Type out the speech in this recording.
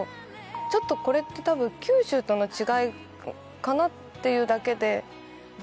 ちょっとこれって多分九州との違いかなっていうだけで。